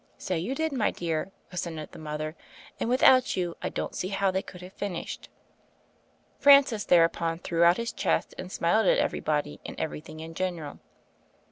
"So you did, my dear," assented the mother, "and without you, I don't see how they could have finished." Francis thereupon threw out his chest and smiled at everybody and everything in general.